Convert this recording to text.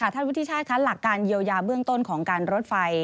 ท่านวุฒิชาติคะหลักการเยียวยาเบื้องต้นของการรถไฟ